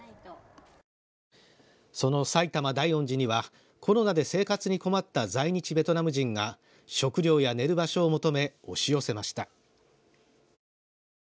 その埼玉大恩寺には、コロナで生活に困った在日ベトナム人が食料や寝る場所を求め押し寄せました。